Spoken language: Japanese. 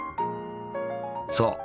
そう。